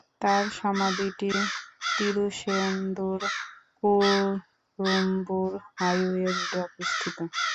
তার সমাধিটি তিরুশেন্দুর-কুড়ুম্বুর হাইওয়ে রোডে অবস্থিত।